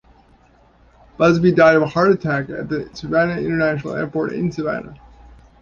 Busbee died of a heart attack at the Savannah International Airport in Savannah.